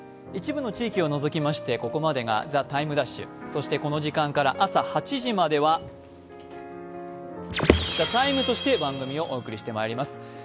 一部の地域を除きましてここまでが「ＴＩＭＥ’」、そしてこの時間から朝８時までは「ＴＨＥＴＩＭＥ，」として番組をお送りしてまいります。